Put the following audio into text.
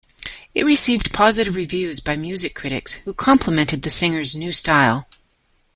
It received positive reviews by music critics, who complimented the singer's new style.